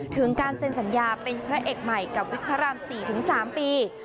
ถึงการเซ็นสัญญาเป็นพระเอกใหม่กับวิกพระราม๔๓ปี